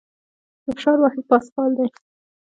د فشار واحد پاسکال دی.